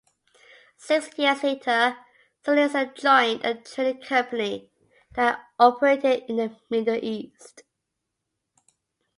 Six years later Sulitzer joined a trading company that operated in the Middle East.